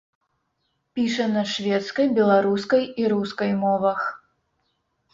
Піша на шведскай, беларускай і рускай мовах.